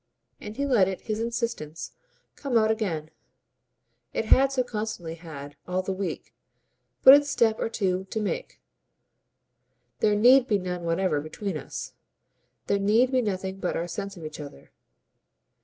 And he let it, his insistence, come out again; it had so constantly had, all the week, but its step or two to make. "There NEED be none whatever between us. There need be nothing but our sense of each other."